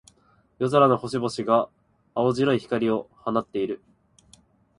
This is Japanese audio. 夜空の星々が、青白い光を放っている。